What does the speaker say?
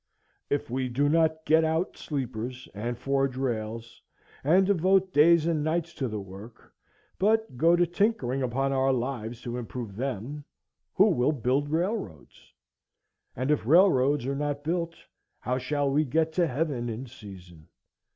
If we do not get out sleepers, and forge rails, and devote days and nights to the work, but go to tinkering upon our lives to improve them, who will build railroads? And if railroads are not built, how shall we get to heaven in season?